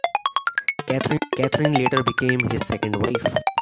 Catherine later became his second wife.